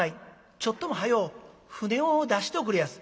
ちょっと早う舟を出しておくれやす」。